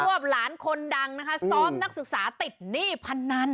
วบหลานคนดังนะคะซ้อมนักศึกษาติดหนี้พนัน